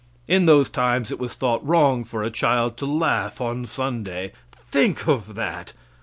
In those times it was thought wrong for a child to laugh on Sunday. Think of that!